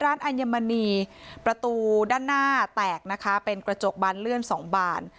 อัญมณีประตูด้านหน้าแตกนะคะเป็นกระจกบานเลื่อน๒บาน